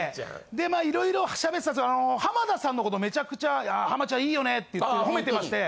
でまあいろいろしゃべってたんですあの浜田さんの事をめちゃくちゃ「いやぁ浜ちゃんいいよね」って言って褒めてまして。